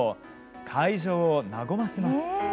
会場を和ませます。